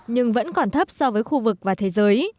nhưng vẫn còn thấp so với khu vực và thế giới